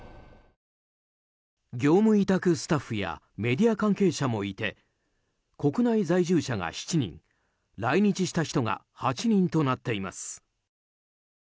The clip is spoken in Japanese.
業務委託スタッフやメディア関係者もいて国内在住者が７人来日した人が８人となっています。